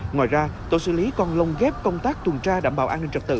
ngoài ra tổ xử lý còn lồng ghép công tác tuần tra đảm bảo an ninh trật tự